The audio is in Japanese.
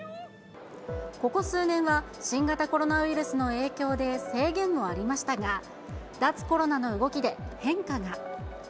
ここ数年は、新型コロナウイルスの影響で制限もありましたが、脱コロナの動きで変化が。